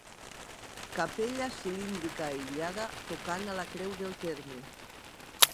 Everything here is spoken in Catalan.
Capella cilíndrica aïllada, tocant a la creu de terme.